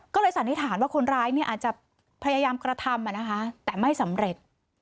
ก็เลยสันนิษฐานว่าคนร้ายเนี่ยอาจจะพยายามกระทำแต่ไม่สำเร็จ